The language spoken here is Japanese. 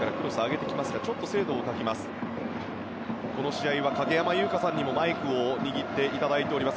この試合は影山優佳さんにもマイクを握っていただいています。